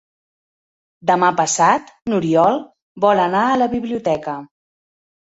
Demà passat n'Oriol vol anar a la biblioteca.